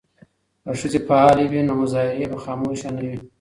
که ښځې فعالې وي نو مظاهرې به خاموشه نه وي.